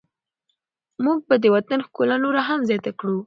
موږ به د وطن ښکلا نوره هم زیاته کړو.